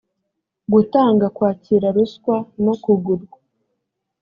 gutanga kwakira ruswa no kugurwa